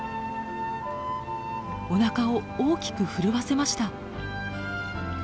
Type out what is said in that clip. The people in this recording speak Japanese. おなかを大きく震わせました。